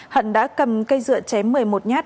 hận đã cầm cây dựa chém một mươi một nhát